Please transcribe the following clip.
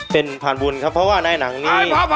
เป็นผ่านบุญครับเพราะว่าในหนังนี้